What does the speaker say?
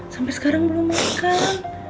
sampai sekarang belum makan